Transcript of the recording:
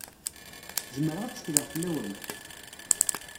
Zemreɣ ad tekkleɣ fell-awent?